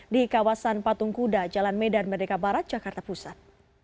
di kawasan patung kuda jalan medan merdeka barat jakarta pusat